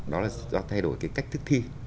đó là do thay đổi cái cách thức thi